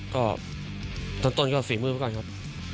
ก็ต้นก็สี่มือมาก่อนครับ